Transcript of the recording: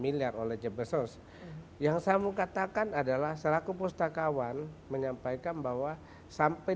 miliar oleh jebesson yang sama katakan adalah selaku postakawan menyampaikan bahwa sampai